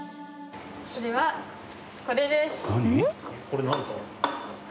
それはこれです。